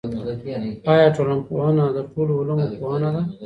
آیا ټولنپوهنه د ټولو علومو پوهنه ده؟